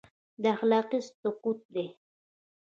دا اخلاقي سقوط دی.